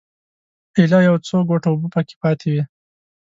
ایله یو څو ګوټه اوبه په کې پاتې وې.